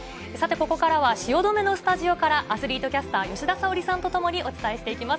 ここからは汐留のスタジオからアスリートキャスター・吉田沙保里さんとともにお伝えしてきます。